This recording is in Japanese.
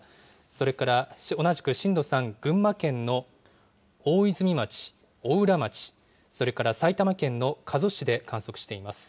それから同じく震度３、群馬県の大泉町、邑楽町、それから埼玉県の加須市で観測しています。